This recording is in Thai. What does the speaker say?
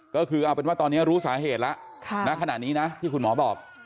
ก็คือเอาเป็นว่าตอนนี้รู้สาเหตุแล้วณขณะนี้นะที่คุณหมอบอก